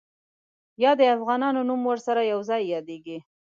یا د افغانانو نوم ورسره یو ځای یادېږي.